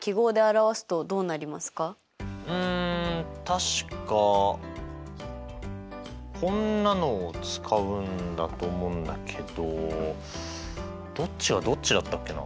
うん確かこんなのを使うんだと思うんだけどどっちがどっちだったっけな？